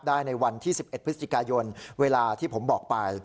ได้ในวันที่๑๑พฤศจิกายนเวลาที่ผมบอกไป